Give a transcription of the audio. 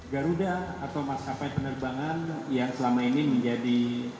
garuda atau maskapai penerbangan yang selama ini menjadi